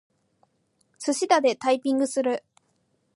すしだでタイピングする。